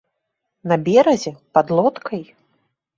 На беразе, пад лодкай?